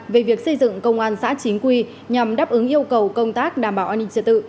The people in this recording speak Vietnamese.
về việc xây dựng công an xã chính quy nhằm đáp ứng yêu cầu công tác đảm bảo an ninh trật tự